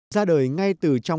ra đời ngay từ trong